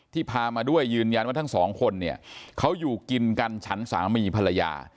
พามาด้วยยืนยันว่าทั้งสองคนเนี่ยเขาอยู่กินกันฉันสามีภรรยา